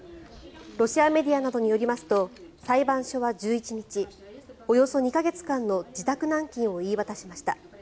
ロシアメディアなどによりますと裁判所は１１日およそ２か月間の自宅軟禁を言い渡しました。